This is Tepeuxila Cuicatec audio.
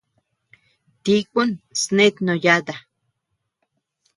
Tíkun snet no yàta.